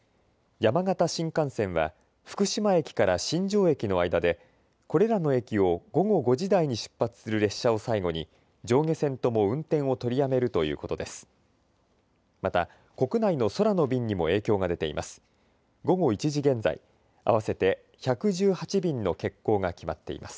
山形新幹線は福島駅から新庄駅の間でこれらの駅を午後５時台に出発する列車を最後に上下線とも運転を取りやめるということです。